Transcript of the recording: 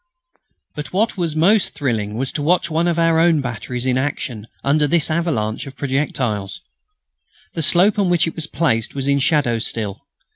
But what was most thrilling was to watch one of our own batteries in action under this avalanche of projectiles. The slope on which it was placed was in shadow still.